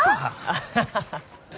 アハハハ。